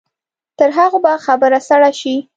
تر هغو به خبره سړه شي.